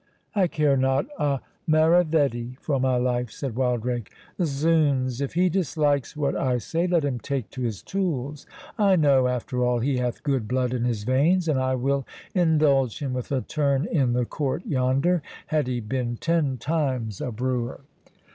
"I care not a maravedi for my life," said Wildrake. "Zounds, if he dislikes what I say, let him take to his tools! I know, after all, he hath good blood in his veins! and I will indulge him with a turn in the court yonder, had he been ten times a brewer."